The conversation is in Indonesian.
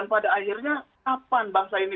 pada akhirnya kapan bangsa ini